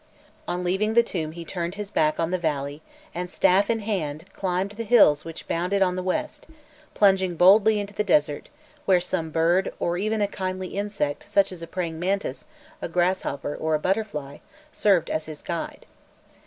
[*] On leaving the tomb he turned his back on the valley, and staff in hand climbed the hills which bounded it on the west, plunging boldly into the desert, where some bird, or even a kindly insect such as a praying mantis, a grasshopper, or a butterfly, served as his guide.